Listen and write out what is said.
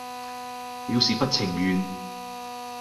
表示不情願